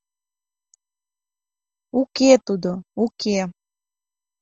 — Уке тудо, уке!